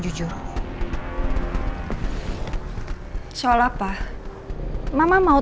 m seolah apa